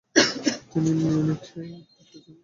তিনি মিউনিখে থাকতে চান।